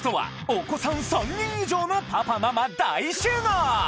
お子さん３人以上のパパママ大集合！